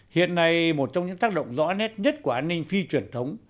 hiện nay một trong những tác động rõ nét nhất của an ninh phi truyền thống